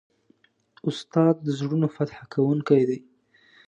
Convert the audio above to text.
استاد د زړونو فتح کوونکی دی.